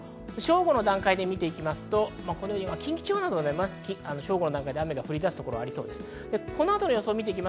正午の段階でみますと、近畿地方などは正午の段階で雨が降り出す所がありそうです。